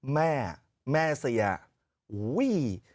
แม่แม่เสียอุ้ย